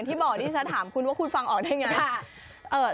ที่บ่อนี่จะถามว่าคุณฟังออกได้ไง